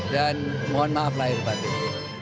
dan mohon maaf lahir batik